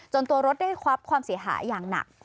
ตัวรถได้รับความเสียหายอย่างหนัก